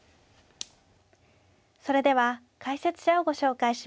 それでは解説者をご紹介します。